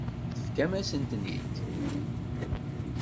Tefkamt-asen-ten-id.